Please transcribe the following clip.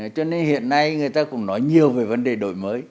cho nên hiện nay người ta cũng nói nhiều về vấn đề đổi mới